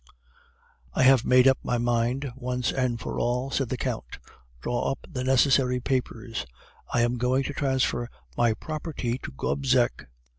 "'I have made up my mind once and for all,' said the Count. 'Draw up the necessary papers; I am going to transfer my property to Gobseck.